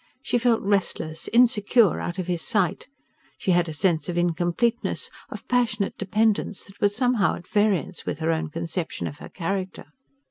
She felt restless, insecure out of his sight: she had a sense of incompleteness, of passionate dependence, that was somehow at variance with her own conception of her character.